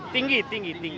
tinggi tinggi tinggi